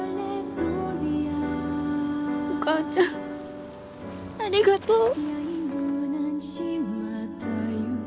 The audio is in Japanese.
お母ちゃんありがとう。